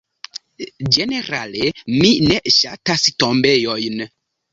Ĝenerale mi ne ŝatas tombejojn.